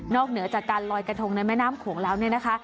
เหนือจากการลอยกระทงในแม่น้ำโขงแล้วเนี่ยนะคะ